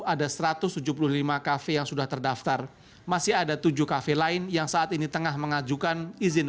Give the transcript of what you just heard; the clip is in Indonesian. ada satu ratus tujuh puluh lima kafe yang sudah terdaftar masih ada tujuh kafe lain yang saat ini tengah mengajukan izin